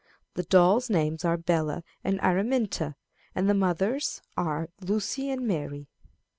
The dolls' names are Bella and Araminta, and the mothers' are Lucy and Mary.